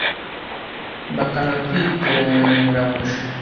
bakanga kwiteranya na nyirabuja,